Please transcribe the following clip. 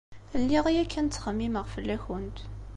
Lliɣ yakan ttxemmimeɣ fell-akent.